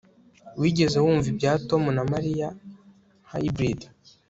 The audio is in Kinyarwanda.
Wigeze wumva ibya Tom na Mariya Hybrid